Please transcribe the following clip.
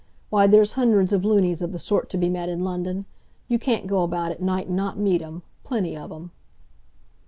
Why, there's hundreds of lunies of the sort to be met in London. You can't go about at night and not meet 'em. Plenty of 'em!"